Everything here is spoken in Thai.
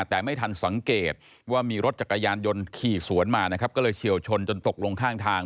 แต่ไม่ทันสังเกตว่ามีรถจักรยานยนต์ขี่สวนมานะครับก็เลยเฉียวชนจนตกลงข้างทาง